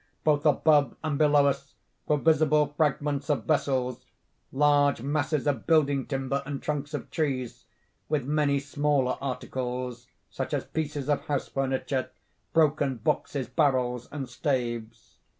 Both above and below us were visible fragments of vessels, large masses of building timber and trunks of trees, with many smaller articles, such as pieces of house furniture, broken boxes, barrels and staves.